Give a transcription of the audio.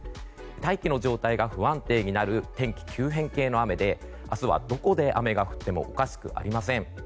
大気の状態が不安定になる天気急変系の雨で明日はどこで雨が降ってもおかしくありません。